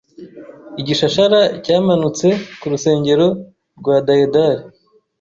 Igishashara cyamanutse ku rusengero rwa Daedal